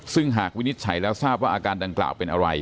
ซึ่งหากวินิจฉัยแล้วทราบว่าอาการดังกล่าวเป็นอะไร